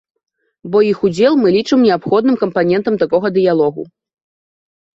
Бо іх удзел мы лічым неабходным кампанентам такога дыялогу.